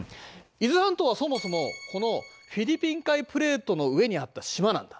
伊豆半島はそもそもこのフィリピン海プレートの上にあった島なんだ。